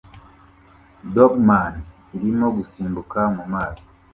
Doberman irimo gusimbuka mu mazi